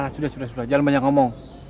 sudah sudah jangan banyak ngomong